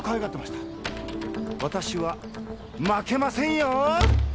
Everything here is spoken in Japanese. わたしは負けませんよ！